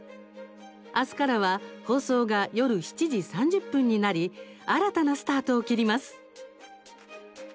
あすからは放送が夜７時３０分になり新たなスタートを切ります。